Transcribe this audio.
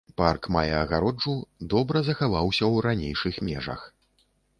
Парк мае агароджу, добра захаваўся ў ранейшых межах.